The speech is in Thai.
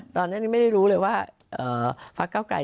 ตอนนี้ไม่ได้รู้เลยว่าพักเก้าไกร